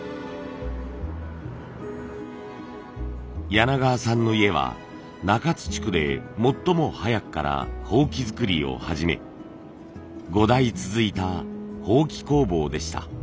柳川さんの家は中津地区で最も早くから箒作りを始め５代続いた箒工房でした。